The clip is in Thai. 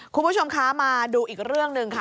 คุณผู้ชมคะมาดูอีกเรื่องหนึ่งค่ะ